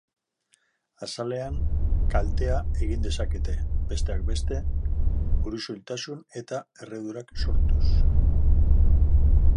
Azalean kaltea egin dezakete, besteak beste burusoiltasun eta erredurak sortuz.